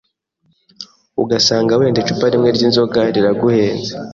ugasanga wenda icupa rimwe ry’inzoga riraguhenze